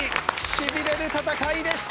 しびれる戦いでした。